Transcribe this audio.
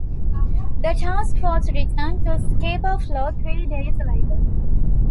The Task Force returned to Scapa Flow three days later.